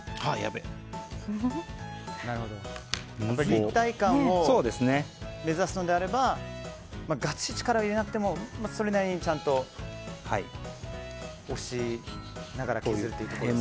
立体感を目指すのであればガッツリ力を入れなくてもそれなりにちゃんと押しながら削っていくと。